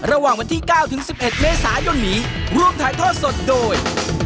ระหว่างวันที่๙ถึง๑๑เมษายนนี้รวมถ่ายทอดสดโดย